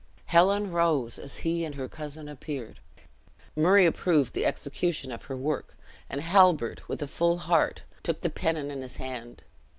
Helen rose as he and her cousin appeared. Murray approved the execution of her work; and Halbert, with a full heart, took the pennon in his hand.